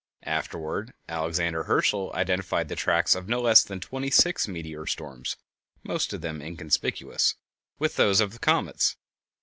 Afterward Alexander Herschel identified the tracks of no less than seventy six meteor swarms (most of them inconspicuous) with those of comets.